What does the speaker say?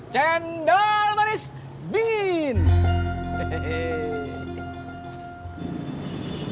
cendol manis dingin